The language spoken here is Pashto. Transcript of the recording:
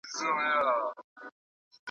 قران کریم د ژوند حق روښانه کړی دی.